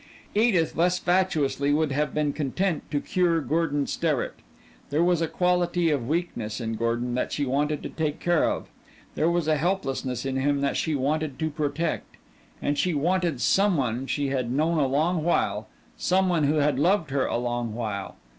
Edith, less fatuously, would have been content to cure Gordon Sterrett. There was a quality of weakness in Gordon that she wanted to take care of; there was a helplessness in him that she wanted to protect. And she wanted someone she had known a long while, someone who had loved her a long while.